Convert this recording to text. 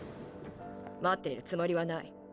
待っているつもりはない。